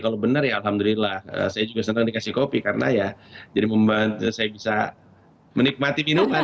kalau benar ya alhamdulillah saya juga senang dikasih kopi karena ya jadi membantu saya bisa menikmati minuman